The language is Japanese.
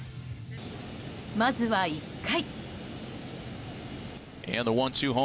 まずは１回。